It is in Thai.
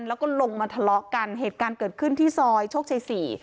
แล้วก็ลงมาทะเลาะกันเหตุการณ์เกิดขึ้นที่ซอยโชคชัยสี่